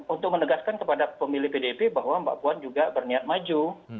untuk menegaskan kepada pemilih pdip bahwa mbak puan juga berniat maju